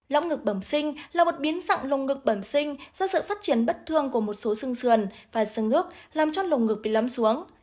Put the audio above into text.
lõng ngực bẩm sinh là một biến dặn lông ngực bẩm sinh do sự phát triển bất thường của một số xương xườn và xương ngước làm cho lông ngực bị lấm xuống